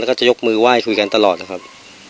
แล้วก็จะยกมือไหว้คุยกันตลอดนะครับ